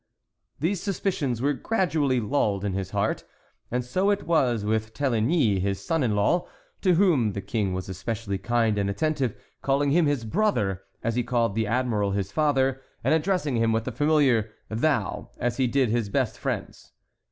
"—these suspicions were gradually lulled in his heart, and so it was with Téligny, his son in law, to whom the King was especially kind and attentive, calling him his brother, as he called the admiral his father, and addressing him with the familiar "thou," as he did his best friends.